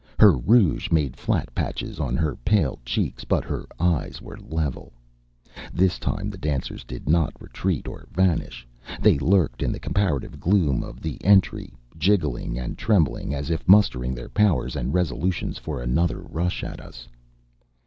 Her rouge made flat patches on her pale cheeks, but her eyes were level. This time the dancers did not retreat or vanish; they lurked in the comparative gloom of the entry, jigging and trembling as if mustering their powers and resolutions for another rush at us.